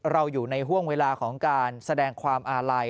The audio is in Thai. อยู่ในห่วงเวลาของการแสดงความอาลัย